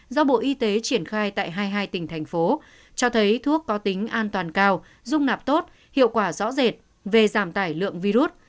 do bộ y tế triển khai tại hai mươi hai tỉnh thành phố cho thấy thuốc có tính an toàn cao dung nạp tốt hiệu quả rõ rệt về giảm tải lượng virus